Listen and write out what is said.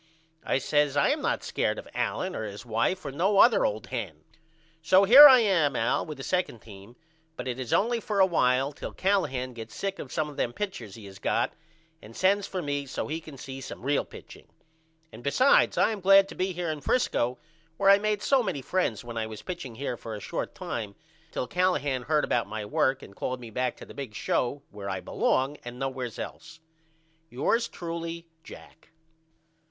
I says I am not scared of Allen or his wife or no other old hen. So here I am Al with the 2d team but it is only for a while till Callahan gets sick of some of them pitchers he has got and sends for me so as he can see some real pitching. And besides I am glad to be here in Frisco where I made so many friends when I was pitching here for a short time till Callahan heard about my work and called me back to the big show where I belong at and nowheres else. Yours truly, JACK.